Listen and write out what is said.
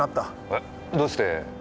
えどうして？